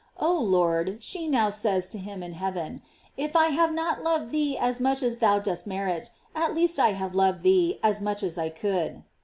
Oh Lord, she now says to him in heaven, if I have not loved thee as much as thou dost merit, at least I have loved thee as much as I could.